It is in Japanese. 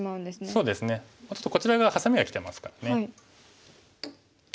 そうですねこちら側ハサミがきてますからね。